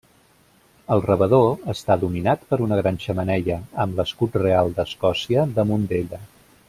El rebedor està dominat per una gran xemeneia, amb l'escut real d'Escòcia damunt d'ella.